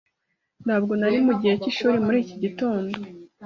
Ntabwo nari mugihe cyishuri muri iki gitondo.